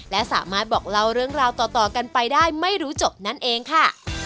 และสามารถบอกเล่าเรื่องราวต่อกันไปได้ไม่รู้จบนั่นเองค่ะ